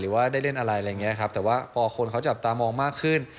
ว่าได้เล่นอะไรอะไรอย่างนี้ครับแต่ว่าพอคนเขาจับตามองมากขึ้น